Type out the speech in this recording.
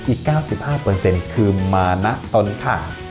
อีกเก้าสิบห้าเปอร์เซ็นต์คือมานะตนค่ะ